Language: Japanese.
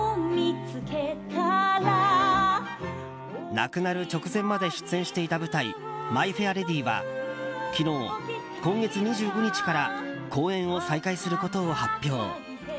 亡くなる直前まで出演していた舞台「マイ・フェア・レディ」は昨日、今月２５日から公演を再開することを発表。